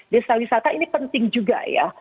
desa wisata ini penting juga ya